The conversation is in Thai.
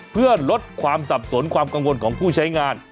เพื่อลดความสับสนความกังวลของผู้ใช้งาน